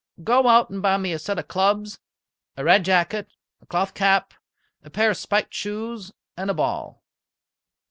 "Go out and buy me a set of clubs, a red jacket, a cloth cap, a pair of spiked shoes, and a ball."